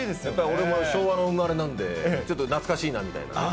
俺も昭和の生まれなんで、ちょっと懐かしいなみたいなね。